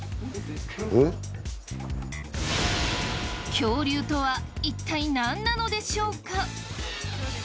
恐竜とは一体何なのでしょうか？